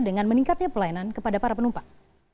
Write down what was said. dengan meningkatnya pelayanan kepada para penumpang